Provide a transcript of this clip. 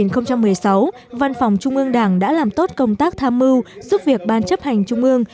năm hai nghìn một mươi sáu văn phòng trung ương đảng đã làm tốt công tác tham mưu giúp việc ban chấp hành trung ương